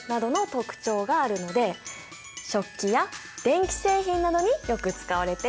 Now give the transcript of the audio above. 特徴があるので食器や電気製品などによく使われているんだ。